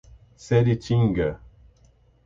Seritinga